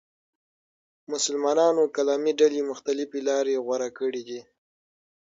مسلمانانو کلامي ډلې مختلفې لارې غوره کړې دي.